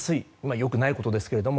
良くないことですけども。